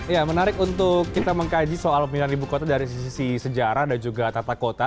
ya menarik untuk kita mengkaji soal pemindahan ibu kota dari sisi sejarah dan juga tata kota